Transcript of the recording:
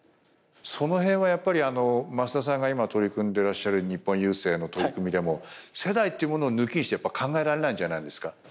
その辺はやっぱり増田さんが今取り組んでらっしゃる日本郵政の取り組みでも世代というものを抜きにしてやっぱ考えられないんじゃないんですか？